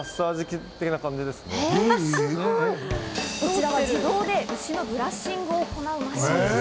こちらは自動で牛のブラッシングを行うマシン。